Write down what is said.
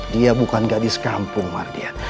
dia bukan gadis kampung mardia